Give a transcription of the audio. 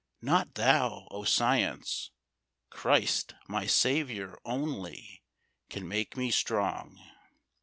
Not thou, O Science Christ, my Savior, only Can make me strong.